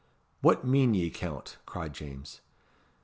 "What mean ye, Count?" cried James.